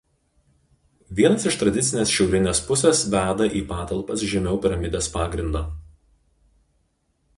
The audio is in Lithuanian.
Vienas iš tradicinės šiaurinės pusės veda į patalpas žemiau piramidės pagrindo.